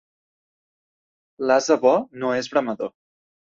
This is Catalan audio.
L'ase bo no és bramador.